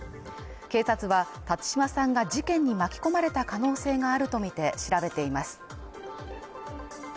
警察は辰島さんが事件に巻き込まれた可能性があるとみて調べています。